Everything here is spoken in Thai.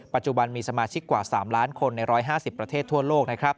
ปัจจุบันมีสมาชิกกว่า๓ล้านคนใน๑๕๐ประเทศทั่วโลกนะครับ